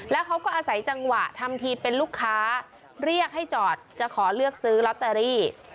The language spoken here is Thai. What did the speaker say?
แล้วเขาก็อาศัยจังหวะทำทีเป็นลูกค้าเรียกให้จอดจะขอเลือกซื้อลอตเตอรี่